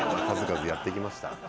数々やってきました